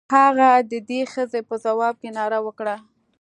هغه د دې ښځې په ځواب کې ناره وکړه.